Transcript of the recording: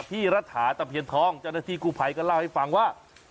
พี่รัฐาตะเผียนทองจนาทีกูภัยก็เล่าให้ฟังว่า